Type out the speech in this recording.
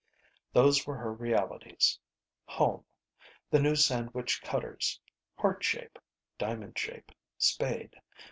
Those were her realities. Home. The new sandwich cutters. Heart shape. Diamond shape. Spade.